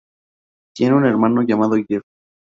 Tiene un hermano llamado Jeff.